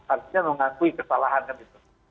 artinya mengakui kesalahan kan itu